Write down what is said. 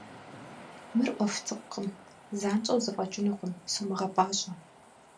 Мыр Ӏуэху цӀыкӀукъым, занщӀэу зэфӀэкӀынукъым, сумыгъэпӀащӀэ.